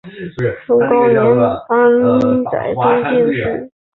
宋高宗建炎二年林安宅中进士。